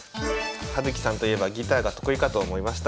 葉月さんといえばギターが得意かと思いました。